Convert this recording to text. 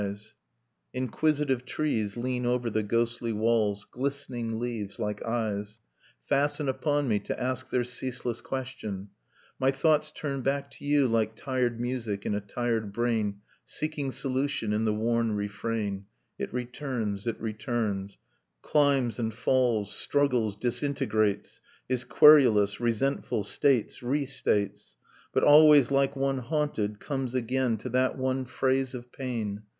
.. Nocturne of Remembered Spring Inquisitive trees lean over the ghostly walls, Glistening leaves like eyes Fasten upon me to ask their ceaseless question. My thoughts turn back to you Like tired music in a tired brain Seeking solution in the worn refrain ; It returns, it returns, Climbs, and falls, struggles, disintegrates, Is querulous, resentful, states, restates ; But always, like one haunted, comes again To that one phrase of pain.